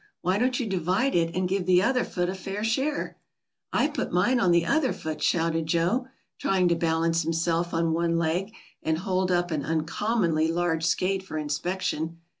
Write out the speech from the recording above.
Why don't you divide it, and give the other foot a fair share?" "I've put mine on the other foot," shouted Joe, trying to balance himself on one leg and hold up an uncommonly large skate for inspection.